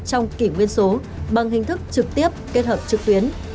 trong kỷ nguyên số bằng hình thức trực tiếp kết hợp trực tuyến